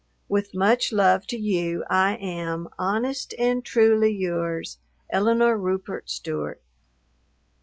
With much love to you, I am "Honest and truly" yours, ELINORE RUPERT STEWART.